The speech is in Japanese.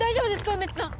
梅津さん！